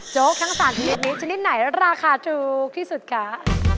โจ๊กทั้งสารทีนี้ชนิดไหนราคาถูกที่สุดค่ะ